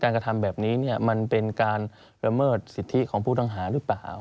กระทำแบบนี้มันเป็นการละเมิดสิทธิของผู้ต้องหาหรือเปล่า